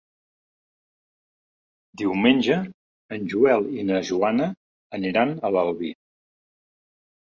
Diumenge en Joel i na Joana aniran a l'Albi.